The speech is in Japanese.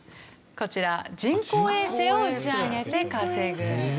こちら人工衛星を打ち上げて稼ぐ。